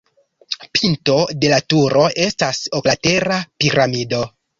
Pinto de la turo estas oklatera piramido.